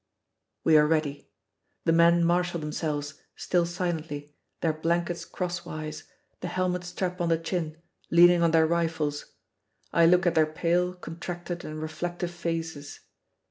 We are ready. The men marshal themselves, still silently, their blankets crosswise, the helmet strap on the chin, leaning on their rifles. I look at their pale, contracted, and reflective faces.